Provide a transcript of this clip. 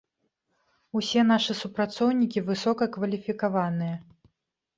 Усе нашы супрацоўнікі высокакваліфікаваныя.